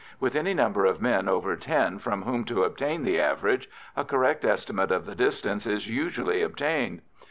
With any number of men over ten from whom to obtain the average, a correct estimate of the distance is usually obtained.